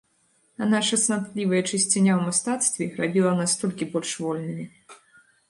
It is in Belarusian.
А наша цнатлівая чысціня ў мастацтве рабіла нас толькі больш вольнымі.